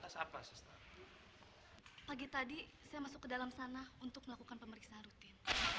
susra bagaimana perkemasannya